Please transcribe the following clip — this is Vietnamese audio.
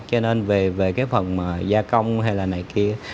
cho nên về cái phần gia công hay là này kia